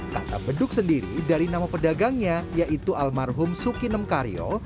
kata beduk sendiri dari nama pedagangnya yaitu almarhum sukinemkario